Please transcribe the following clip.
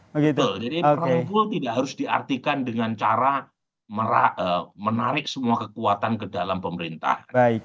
jadi perumpul tidak harus diartikan dengan cara menarik semua kekuatan ke dalam pemerintah